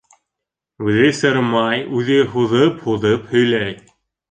Үҙе сырмай, үҙе һуҙып-һуҙып һөйләй: